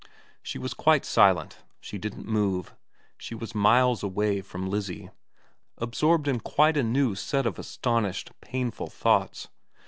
She was quite silent. She didn't move. She was miles away from Lizzie, absorbed in quite a new set of astonished, painful thoughts.